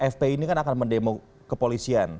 fpi ini kan akan mendemo kepolisian